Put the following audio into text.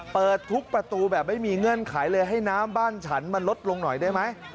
เปิดทุกประตูแบบไม่มีเงื่อนไขเลยให้น้ำบ้านฉันมันลดลงหน่อยได้ไหม